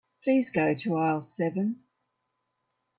Please go to aisle seven.